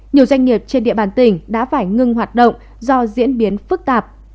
nhiều doanh nghiệp trên địa bàn tỉnh đã phải ngưng hoạt động do diễn biến phức tạp